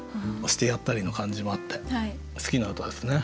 してやったりの感じもあって好きな歌ですね。